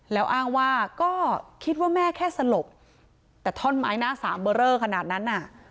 แล้วอ้างว่าก็คิดว่าแม่แค่สลบแต่ท่อนไม้หน้าสามเบอร์เรอขนาดนั้นน่ะ